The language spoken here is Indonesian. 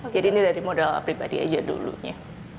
jadi ini dari modal pribadi aja dulunya